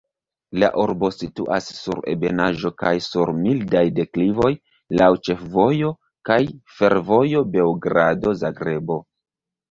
La urbo situas sur ebenaĵo kaj sur mildaj deklivoj, laŭ ĉefvojo kaj fervojo Beogrado-Zagrebo.